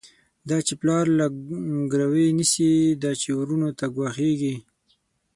دا چی پلار له ګروی نيسی، دا چی وروڼو ته ګواښيږی